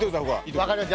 わかりました。